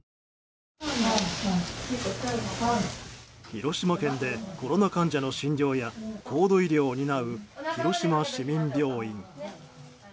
広島県でコロナ患者の診療や高度医療を担う、広島市民病院。